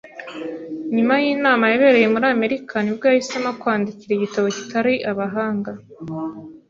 Nyuma yinama yabereye muri Amerika ni bwo yahisemo kwandikira igitabo kitari abahanga.